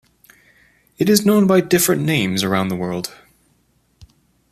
It is known by different names around the world.